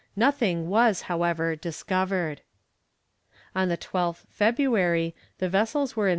Nothing was, however, discovered. On the 20th February the vessels were in S.